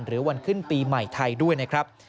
วันขึ้นปีใหม่ไทยด้วยนะครับ